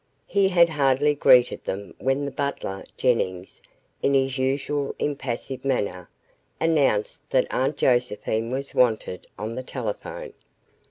He had hardly greeted them when the butler, Jennings, in his usual impassive manner announced that Aunt Josephine was wanted on the telephone.